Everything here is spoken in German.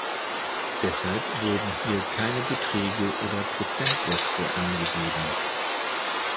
Deshalb wurden hier keine Beträge oder Prozentsätze angegeben.